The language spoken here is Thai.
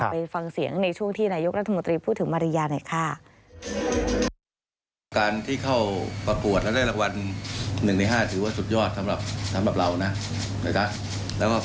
ไปฟังเสียงในช่วงที่นายกรัฐมนตรีพูดถึงมาริยาหน่อยค่ะ